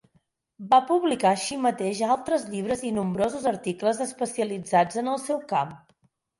Va publicar així mateix altres llibres i nombrosos articles especialitzats en el seu camp.